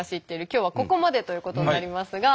今日はここまでということになりますが。